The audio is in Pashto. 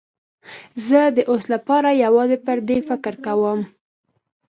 زه د اوس لپاره یوازې پر دې فکر کوم.